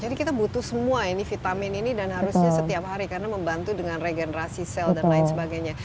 kita butuh semua ini vitamin ini dan harusnya setiap hari karena membantu dengan regenerasi sel dan lain sebagainya